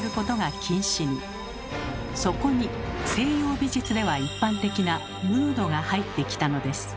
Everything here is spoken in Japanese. そこに西洋美術では一般的な「ヌード」が入ってきたのです。